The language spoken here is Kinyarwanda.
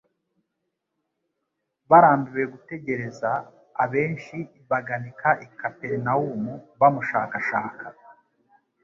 Barambiwe gutegereza, abenshi baganika i Kaperinaumu bamushakashaka.